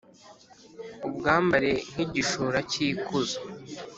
ubwambare nk’igishura cy’ikuzo.